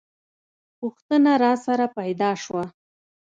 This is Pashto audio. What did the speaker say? پوښتنه راسره پیدا شوه.